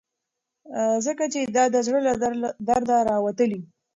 ځکه چې دا د زړه له درده راوتلي.